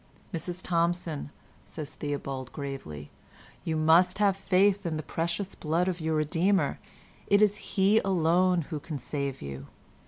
"Mrs Thompson," says Theobald gravely, "you must have faith in the precious blood of your Redeemer; it is He alone who can save you."